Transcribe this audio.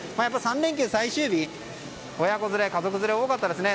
３連休最終日親子連れ、家族連れが多かったですね。